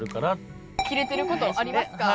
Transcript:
キレてることありますか？